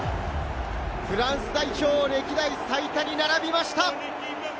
フランス代表歴代最多に並びました。